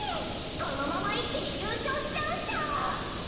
このまま一気に優勝しちゃうっしょー！